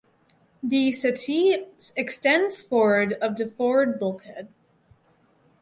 The settee extends forward of the forward bulkhead.